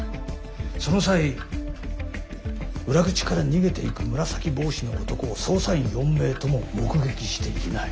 その際裏口から逃げていく紫帽子の男を捜査員４名とも目撃していない。